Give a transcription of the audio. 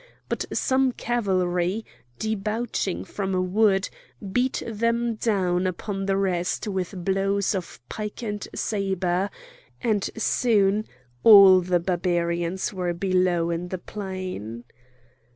But some cavalry, debouching from a wood, beat them down upon the rest with blows of pike and sabre; and soon all the Barbarians were below in the plain.